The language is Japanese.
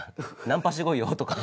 ナンパしてこいよ」とか。